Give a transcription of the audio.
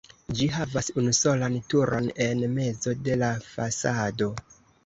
Ĝi havas unusolan turon en mezo de la fasado.